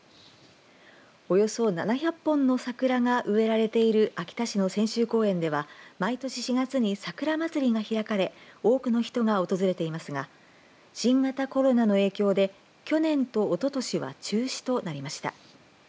およそ７００本の桜が植えられている秋田市の千秋公園では毎年４月に桜まつりが開かれ多くの人が訪れていますが新型コロナの影響で去年とおととしは中止となりました。